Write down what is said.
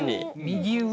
右上？